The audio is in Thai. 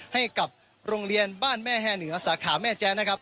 ให้กับโรงเรียนบ้านแม่แฮเหนือสาขาแม่แจ๊นะครับ